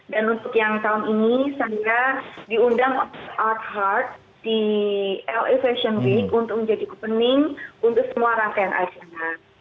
dan untuk yang tahun ini saya diundang art heart di la fashion week untuk menjadi opening untuk semua rakyat asal